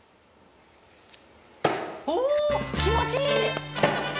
お気持ちいい！